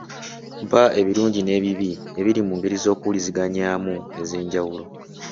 Mpa ebirungi n'ebibi ebiri mu ngeri z'okuwuliziganyamu ez'enjawulo.